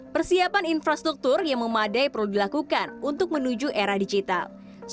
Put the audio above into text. persiapan infrastruktur yang memadai perlu dilakukan untuk menuju era digital